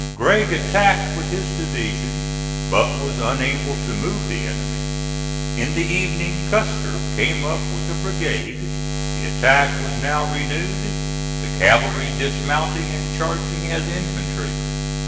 Gregg attacked with his division, but was unable to move the enemy. In the evening Custer came up with a brigade. The attack was now renewed, the cavalry dismounting and charging as infantry.